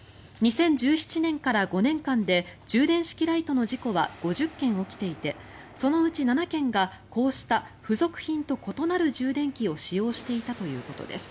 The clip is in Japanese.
２０１７年から５年間で充電式ライトの事故は５０件起きていてそのうち７件がこうした付属品と異なる充電器を使用していたということです。